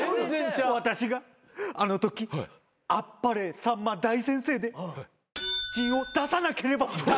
私があのとき『あっぱれさんま大先生』でを出さなければ。